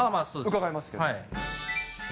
伺いましたけど。